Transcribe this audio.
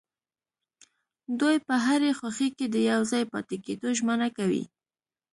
دوی په هرې خوښۍ کې د يوځای پاتې کيدو ژمنه کوي.